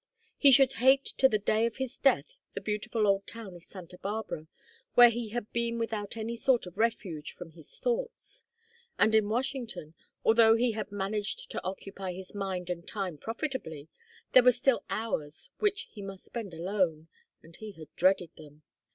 He should hate to the day of his death the beautiful old town of Santa Barbara, where he had been without any sort of refuge from his thoughts; and in Washington, although he had managed to occupy his mind and time profitably, there were still hours which he must spend alone, and he had dreaded them.